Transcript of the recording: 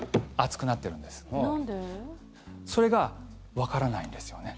それがわからないんですよね。